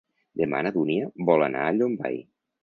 Demà na Dúnia vol anar a Llombai.